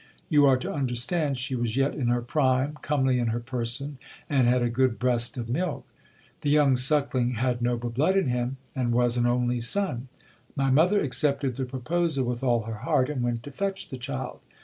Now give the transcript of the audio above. You are to understand she was yet in her prime, comely in her person, and had a good breast of milk. The young suckling had noble blood in him, and was an only son. My mother accepted the proposal with all her heart, and went to fetch the child.